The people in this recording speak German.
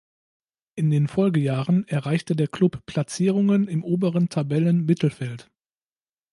In den Folgejahren erreichte der Club Platzierungen im oberen Tabellenmittelfeld.